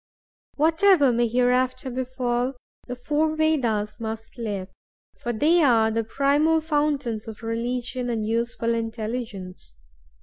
Whatever may hereafter befall, the four Vedas must live, for they are the primal fountains of religion and useful intelligence.